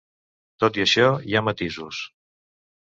Tot i això, hi ha matisos.